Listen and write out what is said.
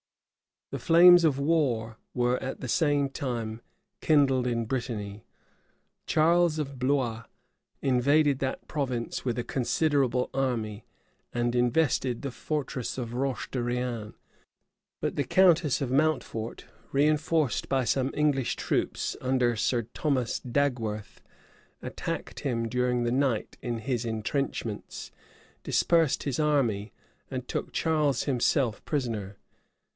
[*] The flames of war were at the same time kindled in Brittany. Charles of Blois invaded that province with a considerable army, and invested the fortress of Roche de Rien; but the countess of Mountfort, reënforced by some English troops under Sir Thomas Dagworth, attacked him during the night in his intrenchments, dispersed his army, and took Charles himself prisoner.